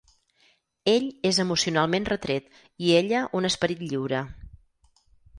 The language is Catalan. Ell és emocionalment retret i ella un esperit lliure.